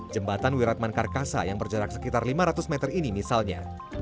jembatan wiratman karkasa yang berjarak sekitar lima ratus meter ini misalnya